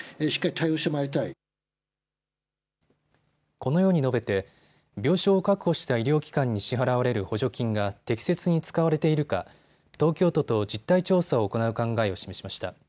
このように述べて病床を確保した医療機関に支払われる補助金が適切に使われているか東京都と実態調査を行う考えを示しました。